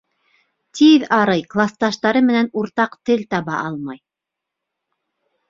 Тиҙ арый, класташтары менән уртаҡ тел таба алмай.